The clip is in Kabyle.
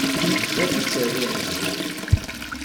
Bezzaf i tt-rriɣ zzhu.